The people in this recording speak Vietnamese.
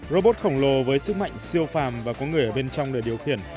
robot khổng lồ với sức mạnh siêu phàm và có người ở bên trong để điều khiển